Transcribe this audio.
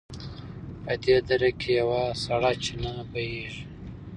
په دې دره کې یوه سړه چینه بهېږي.